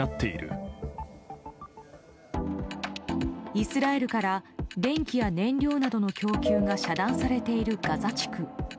イスラエルから電気や燃料などの供給が遮断されているガザ地区。